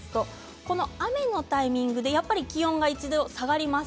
雨のタイミングで気温が一度下がります。